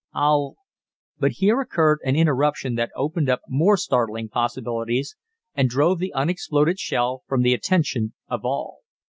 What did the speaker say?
I'll " But here occurred an interruption that opened up more startling possibilities, and drove the unexploded shell from the attention of all.